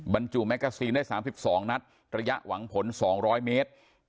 บรรจูแม็กซีได้สามพิพธิ์สองนัดระยะหวังผลสองร้อยเมตร